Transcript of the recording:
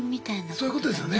そういうことですよね。